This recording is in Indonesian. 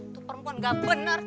tuh perempuan gak bener